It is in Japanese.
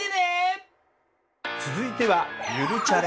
続いては「ゆるチャレ」。